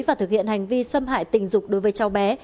và thực hiện hành vi xâm hại tình dục đối với cháu bé